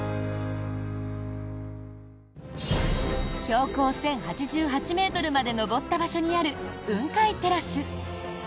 標高１０８８ｍまで上った場所にある雲海テラス。